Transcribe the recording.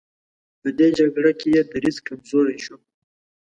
په دې جګړه کې یې دریځ کمزوری شو.